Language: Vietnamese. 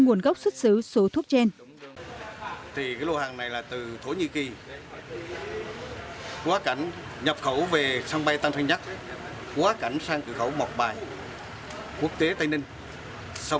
nguồn gốc xuất xứ số thuốc trên